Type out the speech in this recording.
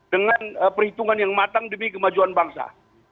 dengan perhitungan yang matang demi kemajuan bangsa